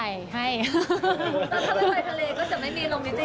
ถ้าไปทะเลก็จะไม่มีลงมือเตียงค่ะ